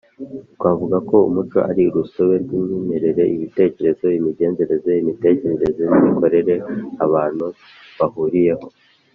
Twavuga ko umuco ari urusobe rw imyemerere ibitekerezo imigenzereze imitekerereze n imikorere abantu bahuriyeho